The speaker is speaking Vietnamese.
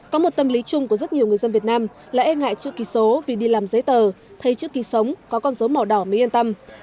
có một tâm lý chung của rất nhiều người dân việt nam là e ngại chữ ký số vì đi làm giấy tờ thay chữ ký sống có con dấu màu đỏ mới yên tâm